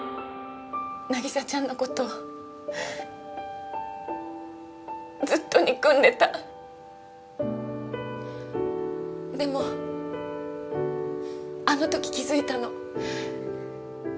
凪沙ちゃんのことずっと憎んでたでもあのとき気づいたの。